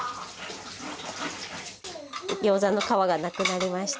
ギョーザの皮がなくなりまして。